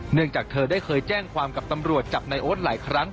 จากเธอได้เคยแจ้งความกับตำรวจจับนายโอ๊ตหลายครั้ง